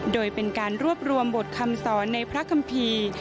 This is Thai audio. โดยเป็นการรวบรวมบทคำสอนในพระคัมภีร์